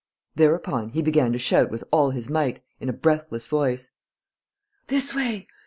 Thereupon he began to shout with all his might, in a breathless voice: "This way!...